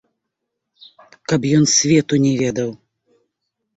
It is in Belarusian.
Каб ён свету не ведаў!